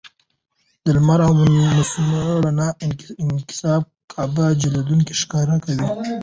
د لمر او مصنوعي رڼا انعکاس کعبه ځلېدونکې ښکاره کوي.